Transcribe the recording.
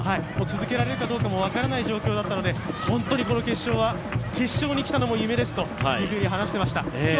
続けられるかどうかも分からない状況だったので、本当にこの決勝に来たのも夢ですと話していました。